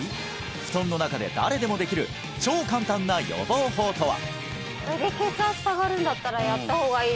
布団の中で誰でもできる超簡単な予防法とは？